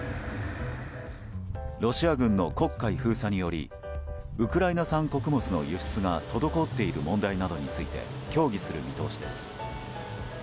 ロシア軍の黒海封鎖によりウクライナ産穀物の輸出が滞っている問題などについて協議する見通しです。